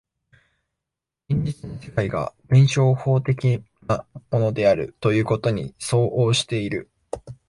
現実の世界が弁証法的なものであるということに相応している。